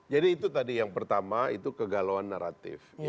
jadi itu tadi yang pertama itu kegalauan naratif